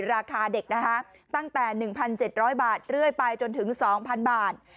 ราคาเด็กนะคะตั้งแต่๑๗๐๐บาทเรื่อยไปจนถึง๒๐๐๐บาท